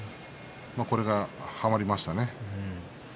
これが、はまりましたね。